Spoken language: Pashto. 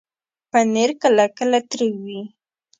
پنېر کله کله تریو وي.